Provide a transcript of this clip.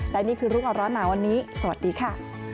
และนี่คือรู้ก่อนร้อนหนาวันนี้สวัสดีค่ะ